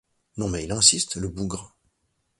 Non mais il insiste, le bougre !